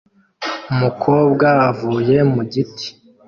Umukobwa avuye mu igiti